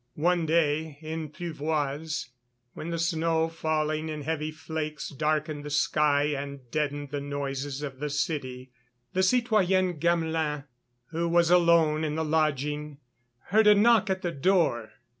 One day in Pluviose, when the snow, falling in heavy flakes, darkened the sky and deadened the noises of the city, the citoyenne Gamelin, who was alone in the lodging heard a knock at the door.